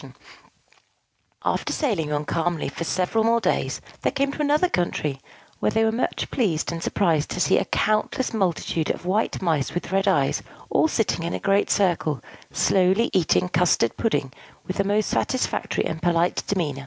After sailing on calmly for several more days, they came to another country, where they were much pleased and surprised to see a countless multitude of white Mice with red eyes, all sitting in a great circle, slowly eating custard pudding with the most satisfactory and polite demeanor.